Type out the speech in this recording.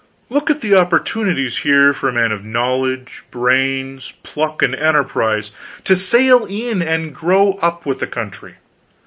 Look at the opportunities here for a man of knowledge, brains, pluck, and enterprise to sail in and grow up with the country.